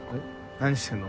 何してんの？